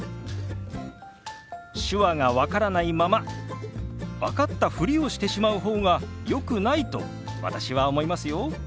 手話が分からないまま分かったふりをしてしまう方がよくないと私は思いますよ。